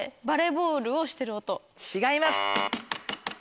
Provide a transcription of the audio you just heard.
違います。